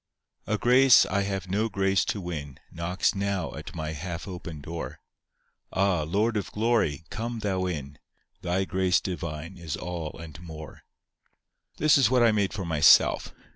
A grace I have no grace to win Knocks now at my half open door: Ah, Lord of glory, come thou in, Thy grace divine is all and more. This was what I made for myself.